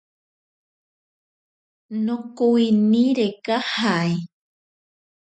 Nokowi nire kajae.